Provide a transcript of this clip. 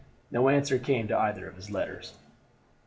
No answer came to either of his letters.